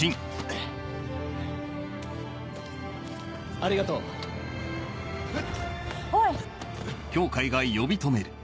ありがとう。おい！